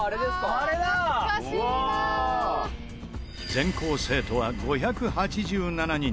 全校生徒は５８７人。